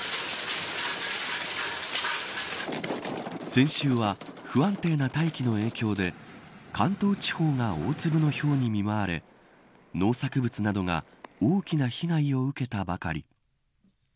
先週は不安定な大気の影響で関東地方が大粒のひょうに見舞われ農作物などが大きな被害を受けたばかり。